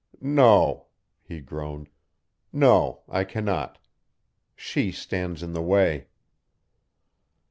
"No," he groaned. "No, I cannot. She stands in the way!"